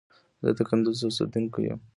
زه د کندوز اوسیدونکي یم